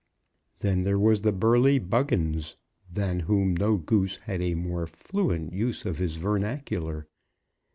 Then there was the burly Buggins, than whom no Goose had a more fluent use of his vernacular.